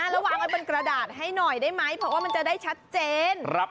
แล้ววางไว้บนกระดาษให้หน่อยได้ไหมเพราะว่ามันจะได้ชัดเจน